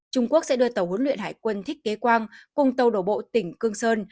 trung quốc sẽ đưa tàu huấn luyện hải quân thích kế quang cùng tàu đổ bộ tỉnh cương sơn